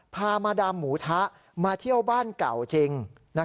พามาดามหมูทะมาเที่ยวบ้านเก่าจริง